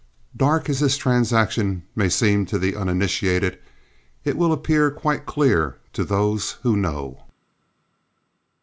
Dark as this transaction may seem to the uninitiated, it will appear quite clear to those who know.